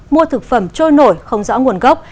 mua thực phẩm trôi nổi không rõ nguồn gốc